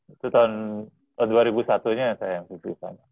itu tahun oh dua ribu satu nya saya mvp final